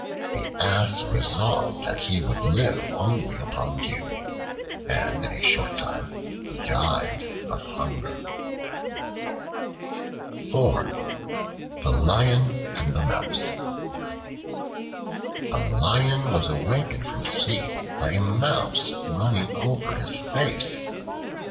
The Ass resolved that he would live only upon dew, and in a short time died of hunger. The Lion And The Mouse A LION was awakened from sleep by a Mouse running over his face.